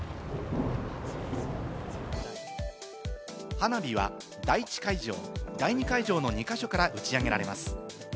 花火は第１会場、第２会場の２か所から打ち上げられます。